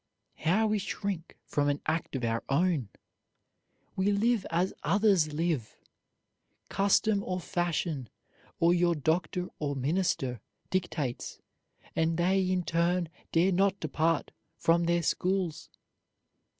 How we shrink from an act of our own! We live as others live. Custom or fashion, or your doctor or minister, dictates, and they in turn dare not depart from their schools.